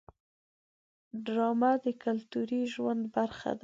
ډرامه د کلتوري ژوند برخه ده